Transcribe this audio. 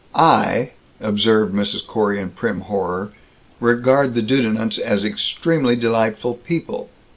"I," observed Mrs. Corey, in prim horror, "regard the Dudenants as extremely delightful people.